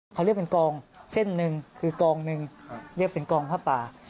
เขาเรียกเป็นกองเส้นหนึ่งคือกองหนึ่งเรียกเป็นกองผ้าป่า